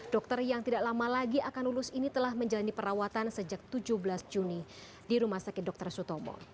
dokter yang tidak lama lagi akan lulus ini telah menjalani perawatan sejak tujuh belas juni di rumah sakit dr sutomo